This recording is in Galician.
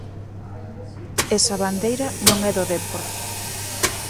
Esa bandeira non é do Depor.